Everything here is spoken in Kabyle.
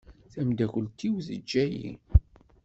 Tamdakelt-iw teǧǧa-yi.